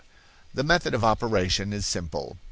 The method of operation is simple.